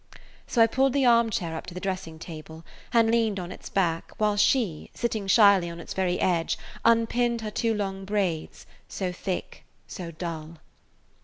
So I pulled the arm chair up to the dressing table, and leaned on its back while she, sitting shyly on its very edge, unpinned her two long braids, so thick, so dull.